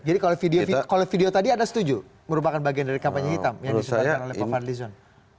jadi kalau video tadi anda setuju merupakan bagian dari kapannya hitam yang disebarkan oleh pak fadlison